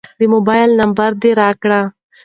د موبایل نمبر دې راکړه.